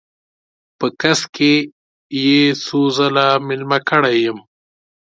په کڅ کې یې څو ځله میلمه کړی یم.